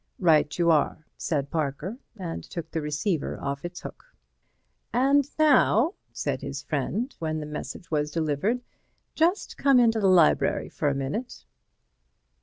"Right you are," said Parker, and took the receiver off its hook. "And now," said his friend, when the message was delivered, "just come into the library for a minute."